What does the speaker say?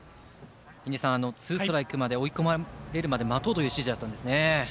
ツーストライクまで追い込まれるまで待とうという指示だったんですね。